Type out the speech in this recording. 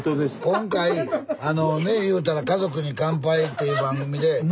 今回あのね言うたら「家族に乾杯」っていう番組で。